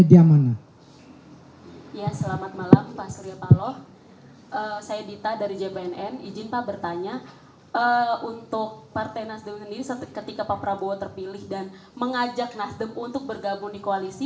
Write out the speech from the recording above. dan mengajak nasdem untuk bergabung di koalisi